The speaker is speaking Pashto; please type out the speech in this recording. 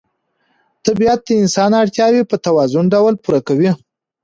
طبیعت د انسان اړتیاوې په متوازن ډول پوره کوي